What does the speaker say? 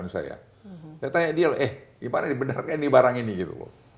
saya tanya dia loh eh gimana ini benar nggak ini barang ini gitu loh